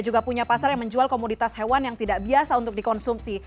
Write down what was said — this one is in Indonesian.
juga punya pasar yang menjual komoditas hewan yang tidak biasa untuk dikonsumsi